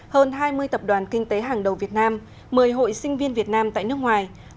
hơn hai mươi tập đoàn kinh tế hàng đầu việt nam một mươi hội sinh viên việt nam tại nước ngoài